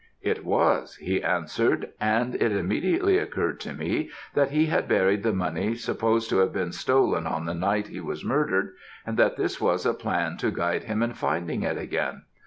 "'It was,' he answered; and it immediately occurred to me that he had buried the money supposed to have been stolen on the night he was murdered, and that this was a plan to guide him in finding it again.